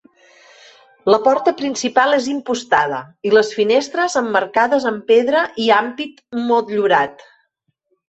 La porta principal és impostada i les finestres emmarcades amb pedra i ampit motllurat.